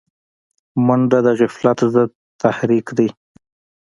منډه د غفلت ضد تحرک دی